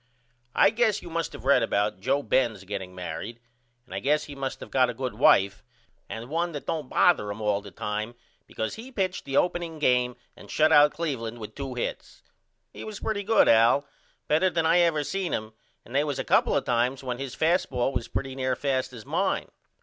I guess you must of read about Joe Benz getting married and I guess he must of got a good wife and 1 that don't bother him all the time because he pitched the opening game and shut Cleveland out with 2 hits. He was pretty good Al, better than I ever seen him and they was a couple of times when his fast ball was pretty near as fast as mine.